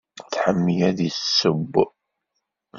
Tḥemmel ad yesseww?